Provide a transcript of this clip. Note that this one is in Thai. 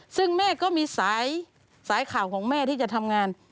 ซึ่งแม่ก็มีสายข่าวของแม่ที่จะทำงาน